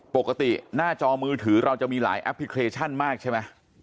ปกติหน้าจอมือถือเราจะมีหลายแอปพลิเคชันมากใช่ไหม